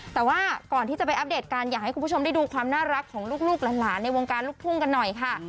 แต่ว่าก่อนที่จะไปอัปเดตการอยากให้คุณผู้ชมได้ดูความน่ารักของลูกหลานในวงการลูกทุ่งกันหน่อยค่ะ